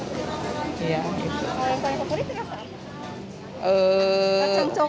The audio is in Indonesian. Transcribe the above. kalau yang paling kekurit kacang